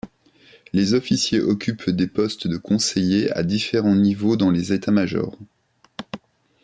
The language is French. Les officiers occupent des postes de conseillers à différents niveaux dans les états-majors.